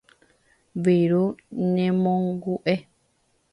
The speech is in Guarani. Viru ñemongu'e.